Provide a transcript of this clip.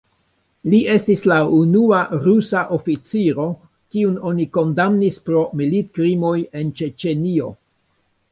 Li estis la unua rusa oficiro, kiun oni kondamnis pro militkrimoj en Ĉeĉenio.